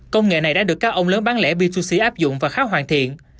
công nghệ này đã được các ông lớn bán lẻ b hai c áp dụng và khá hoàn thiện